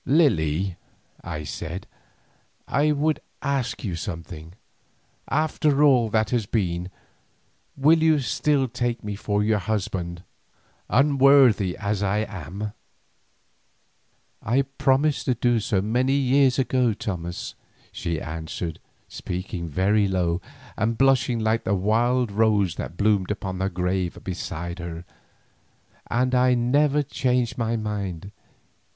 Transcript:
"Lily," I said, "I would ask you something. After all that has been, will you still take me for your husband, unworthy as I am?" "I promised so to do many a year ago, Thomas," she answered, speaking very low, and blushing like the wild rose that bloomed upon a grave beside her, "and I have never changed my mind.